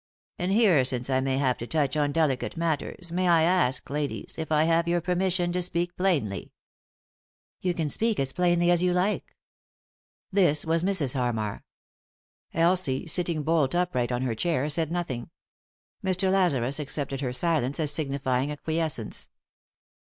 And here, since I may have to touch on delicate matters, may I ask, ladies, if I have your permission to speak plainly ?" "You can speak as plainly as you like." This was Mrs. Harmar. Elsie, sitting bolt upright on her chair, said nothing. Mr. Lazarus accepted her silence as signifying acquiescence.